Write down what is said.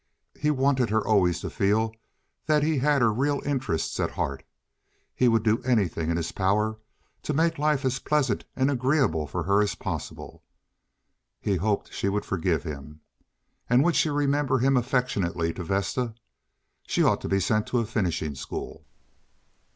He wanted her always to feel that he had her real interests at heart. He would do anything in his power to make life as pleasant and agreeable for her as possible. He hoped she would forgive him. And would she remember him affectionately to Vesta? She ought to be sent to a finishing school.